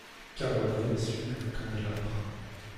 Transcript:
Carbonel essuie un candélabre.